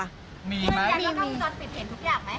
ก็ยังก็จะมีคุณฐานติดเห็นทุกอย่างไหม